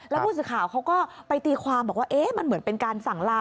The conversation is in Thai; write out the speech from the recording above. แล้วผู้สื่อข่าวเขาก็ไปตีความบอกว่ามันเหมือนเป็นการสั่งลา